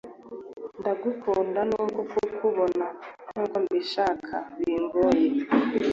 ndagukunda nubwokukubona nkukombishaka bigoye